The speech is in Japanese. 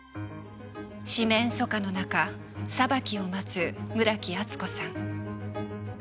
四面楚歌の中裁きを待つ村木厚子さん。